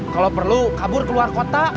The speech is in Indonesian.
kalau perlu kabur keluar kota